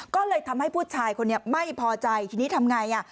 ก็เลยทำให้ผู้ชายคนนี้ไม่พอใจทีนี้ทำไงอ่ะ